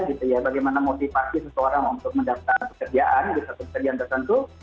bagaimana motivasi seseorang untuk mendaftar pekerjaan di satu pekerjaan tertentu